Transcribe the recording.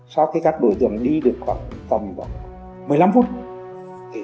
sau khi các đối tượng đi được khoảng tầm một mươi năm phút